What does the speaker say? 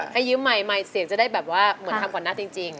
ให้ยืมใหม่เสียงจะได้แบบว่าเหมือนทำก่อนหน้าจริง